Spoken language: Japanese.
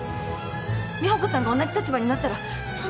美保子さんが同じ立場になったらそんなこと言える。